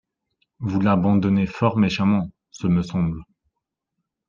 Vous l'abandonnez fort méchamment, ce me semble!